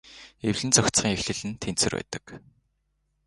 Эвлэн зохицохын эхлэл нь тэнцвэр байдаг.